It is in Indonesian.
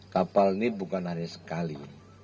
kapal ini bukan hanya sekali